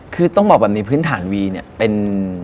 คือต้องบอกในพื้นฐานวีเป็น